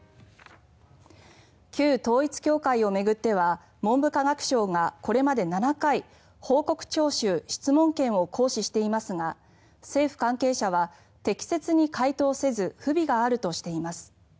旧統一教会を巡っては文部科学省がこれまで７回報告徴収・質問権を行使していますが政府関係者は、適切に回答せず不備があるとしています。